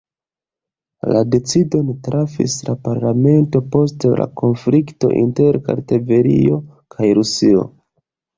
La decidon trafis la parlamento post la konflikto inter Kartvelio kaj Rusio.